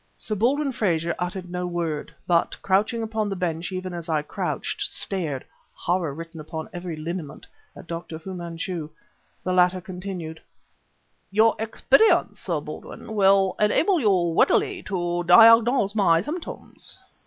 Sir Baldwin Frazer uttered no word, but, crouching upon the bench even as I crouched, stared horror written upon every lineament at Dr. Fu Manchu. The latter continued: "Your experience, Sir Baldwin, will enable you readily to diagnose my symptoms.